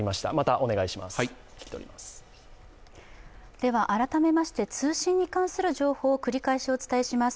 では改めまして通信に関する情報をお伝えします